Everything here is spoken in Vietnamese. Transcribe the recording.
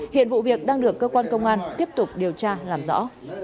hiện vụ việc đang được cơ quan công an tiếp tục điều tra làm rõ